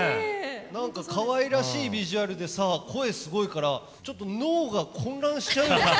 何かかわいらしいビジュアルでさ声すごいからちょっと脳が混乱しちゃうよね。